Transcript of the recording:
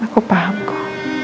aku paham kau